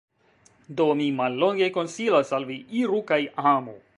Do mi, mallonge, konsilas al Vi: Iru kaj amu!